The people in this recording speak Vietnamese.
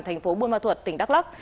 thành phố buôn ma thuật tỉnh đắk lắc